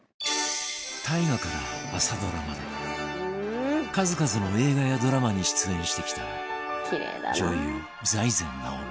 大河から朝ドラまで数々の映画やドラマに出演してきた女優、財前直見